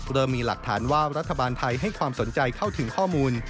เริ่มมีหลักฐานว่ารัฐบาลไทยให้ความสนใจเข้าถึงข้อมูล